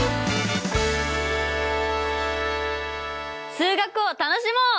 数学を楽しもう！